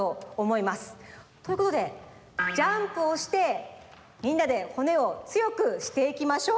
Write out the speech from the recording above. ということでジャンプをしてみんなで骨をつよくしていきましょう！